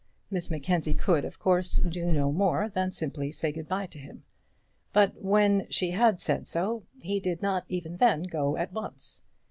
Miss Mackenzie could, of course, do no more than simply say good bye to him. But when she had said so he did not even then go at once.